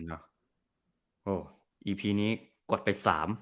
โอ้โหอีพีนี้กดไป๓